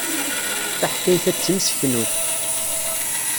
Taḥkayt-a d timseknut.